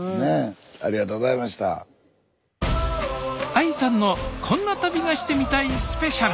ＡＩさんの「こんな旅がしてみたいスペシャル」。